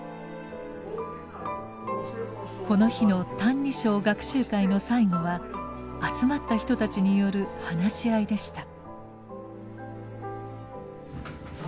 この日の「歎異抄」学習会の最後は集まった人たちによる話し合いでした。